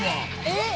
えっ！